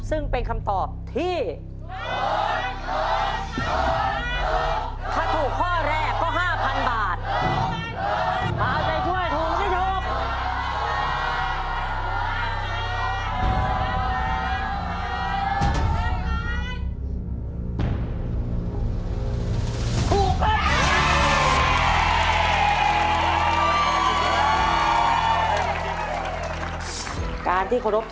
ซึ่งเป็นคำตอบที่